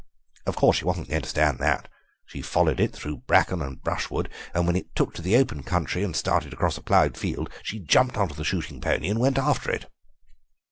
Of course she wasn't going to stand that; she followed it through bracken and brushwood, and when it took to the open country and started across a ploughed field she jumped on to the shooting pony and went after it.